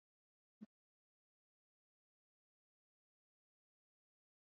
Asilimia hamsini mpaka sabini na tano ya watoto wa twiga huwa wana uwawa na